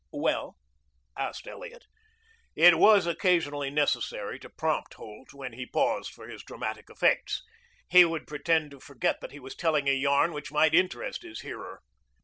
"Well?" asked Elliot. It was occasionally necessary to prompt Holt when he paused for his dramatic effects. He would pretend to forget that he was telling a yarn which might interest his hearer.